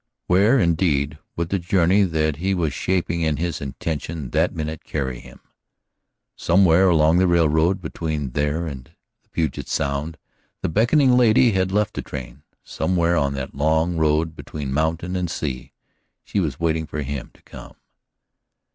Where, indeed, would the journey that he was shaping in his intention that minute carry him? Somewhere along the railroad between there and Puget Sound the beckoning lady had left the train; somewhere on that long road between mountain and sea she was waiting for him to come.